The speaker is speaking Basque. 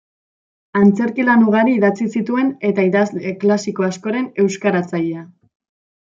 Antzerki lan ugari idatzi zituen eta idazle klasiko askoren euskaratzailea.